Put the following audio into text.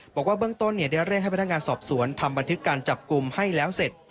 บอกว่าเบื้องต้นได้เร่งให้พนักงานสอบสวนทำบันทึกการจับกลุ่มให้แล้วเสร็จ